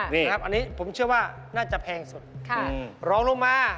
นี่ครับอันนี้ผมเชื่อว่าน่าจะแพงสุดรองลงมา